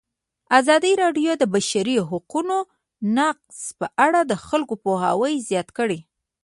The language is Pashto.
ازادي راډیو د د بشري حقونو نقض په اړه د خلکو پوهاوی زیات کړی.